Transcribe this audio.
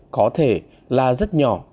có thể là rất nhỏ